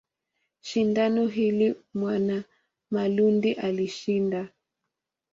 Shindano hili Mwanamalundi alishinda.